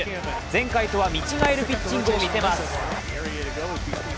前回とは見違えるピッチングを見せます。